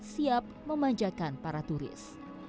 siap memanjakan para turis